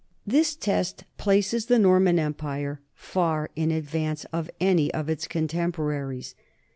This test places the Norman empire far in advance of any of its contempo raries.